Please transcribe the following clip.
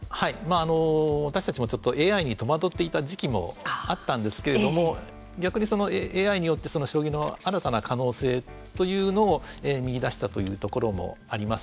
私たちもちょっとＡＩに戸惑っていた時期もあったんですけれども逆にそのＡＩによって将棋の新たな可能性というのを見出したというところもあります。